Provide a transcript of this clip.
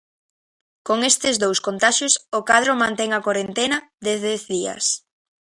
Con estes dous contaxios o cadro mantén a corentena de dez días.